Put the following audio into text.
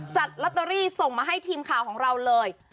จัดลอตเตอรี่ส่งมาให้ทีมข่าวของเราเลย